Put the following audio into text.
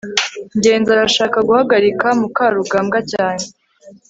ngenzi arashaka guhagarika mukarugambwa cyane